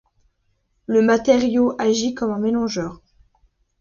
Le matériau agit comme un mélangeur.